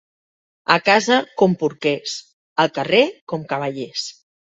A casa, com porquers; al carrer, com cavallers.